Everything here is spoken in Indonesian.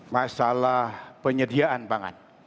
masalah penyediaan pangan